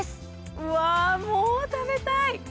うわもう食べたい！